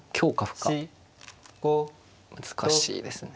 難しいですね。